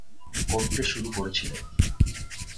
করতে শুরু করছিলেন।